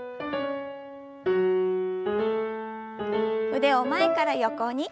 腕を前から横に。